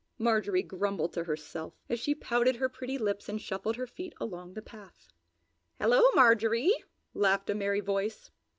Marjorie grumbled to herself, as she pouted her pretty lips and shuffled her feet along the path. "Hello, Marjorie!" laughed a merry voice.